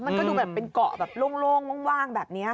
มันก็ดูแบบเป็นเกาะแบบโล่งว่างแบบนี้